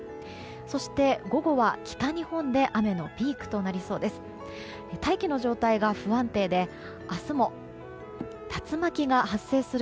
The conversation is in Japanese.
そして午後は北日本で雨のピークとなりそうです。